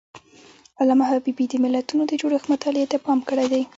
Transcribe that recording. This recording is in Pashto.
علامه حبيبي د ملتونو د جوړښت مطالعې ته پام کړی دی.